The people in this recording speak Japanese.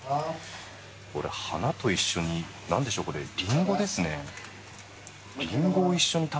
これ、花と一緒になんでしょう、これ、リンゴですね。